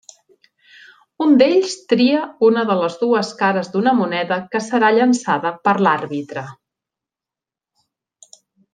Un d'ells tria una de les dues cares d'una moneda que serà llançada per l'àrbitre.